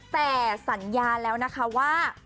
แต่สัญญาแล้วนะคะว่า